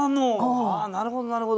ああなるほどなるほど。